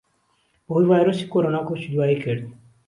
بەھۆی ڤایرۆسی کۆرۆنا کۆچی دواییی کرد